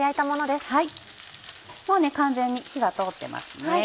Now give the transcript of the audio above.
もう完全に火が通ってますね。